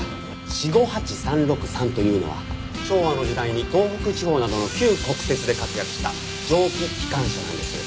Ｃ５８３６３というのは昭和の時代に東北地方などの旧国鉄で活躍した蒸気機関車なんです。